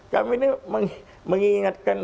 kami ini mengingatkan